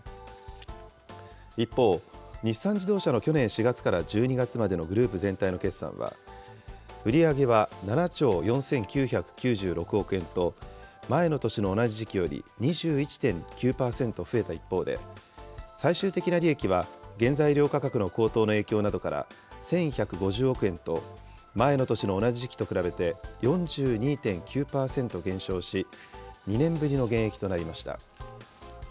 一方、日産自動車の去年４月から１２月までのグループ全体の決算は、売り上げは７兆４９９６億円と、前の年の同じ時期より２１．９％増えた一方で、最終的な利益は原材料価格の高騰の影響などから、１１５０億円と、前の年の同じ時期と比べて４２．９％減少し、２年ぶりの減益となりました。